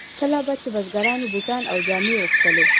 کله به چې بزګرانو بوټان او جامې غوښتلې.